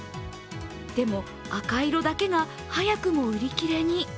でも、赤色だけが早くも売り切れに。